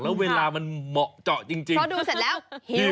แล้วเวลามันเหมาะเจาะจริงพอดูเสร็จแล้ว